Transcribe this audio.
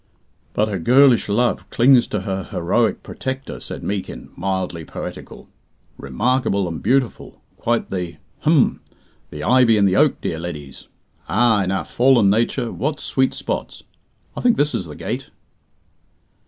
"But her girlish love clings to her heroic protector," said Meekin, mildly poetical. "Remarkable and beautiful. Quite the hem! the ivy and the oak, dear leddies. Ah, in our fallen nature, what sweet spots I think this is the gate."